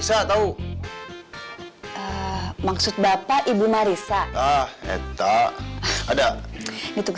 sampai jumpa di video selanjutnya